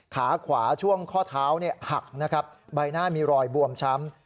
ขาขวาช่วงข้อเท้าหักนะครับใบหน้ามีรอยบวมช้ำ